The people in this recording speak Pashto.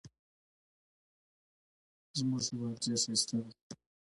زموږ هیواد ډېر ښایسته دی.